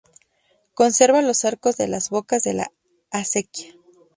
Conserva los arcos de las bocas de la acequia.